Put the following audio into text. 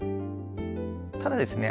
ただですね